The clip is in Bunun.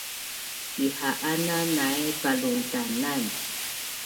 Iha’ana nai paluntanan